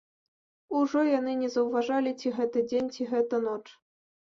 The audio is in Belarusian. Ужо яны не заўважалі, ці гэта дзень, ці гэта ноч.